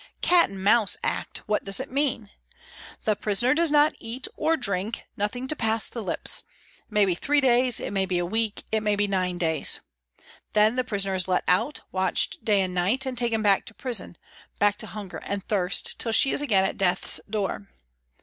" Cat and Mouse " Act what does it mean ? The prisoner does not eat or drink, nothing to pass the lips; it may be three days, it may be a week, it may be nine days. Then the prisoner is let out, watched day and night, and taken back to prison, back to hunger and thirst, till she is again at death's door.